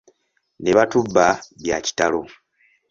Ne batubba bya kitalo.